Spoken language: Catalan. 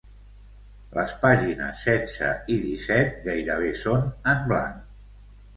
Les pàgines setze i disset gairebé són en blanc.